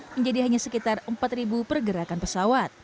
menjadi hanya sekitar empat pergerakan pesawat